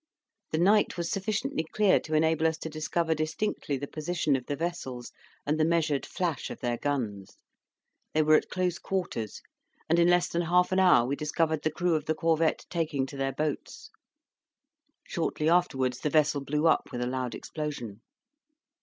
The night was sufficiently clear to enable us to discover distinctly the position of the vessels and the measured flash of their guns. They were at close quarters, and in less than half an hour we discovered the crew of the corvette taking to their boats. Shortly afterwards the vessel blew up with a loud explosion.